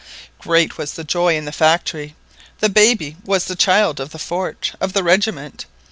Great was the joy in the factory. The baby was the child of the fort, of the regiment!